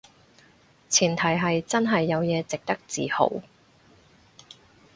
前提係真係有嘢值得自豪